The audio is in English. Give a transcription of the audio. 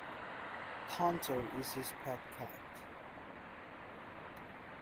Tonto is his pet cat.